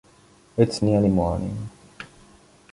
It's nearly morning.